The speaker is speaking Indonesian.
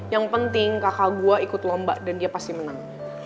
yang penting kakak gue ikut lomba dan dia pasti menang